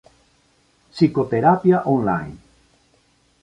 Psicoterapia online